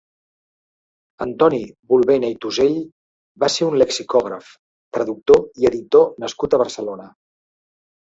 Antoni Bulbena i Tosell va ser un lexicògraf, traductor i editor nascut a Barcelona.